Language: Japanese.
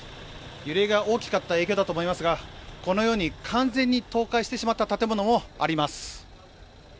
揺れが大きかった影響だと思いますが、このように完全に倒壊してしまった建物もあります。